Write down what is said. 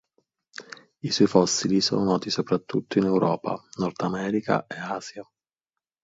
I suoi fossili sono noti soprattutto in Europa, Nordamerica e Asia.